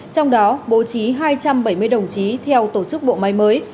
trong đó bố trí hai trăm bảy mươi đồng chí theo tổ chức bộ máy mới